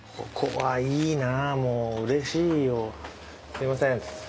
すいません。